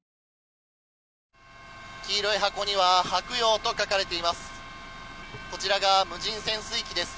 黄色い箱には「はくよう」と書かれています。